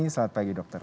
selamat pagi dokter